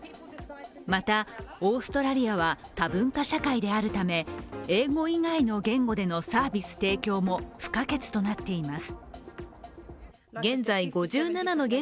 また、オーストラリアは多文化社会であるため英語以外の言語でのサービス提供も不可欠となっています。